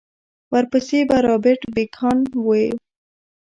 ورپسې به رابرټ بېکان و.